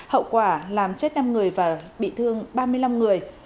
hậu quả làm chết năm người và bị thương ba mươi năm người